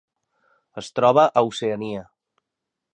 Es troba a Oceania: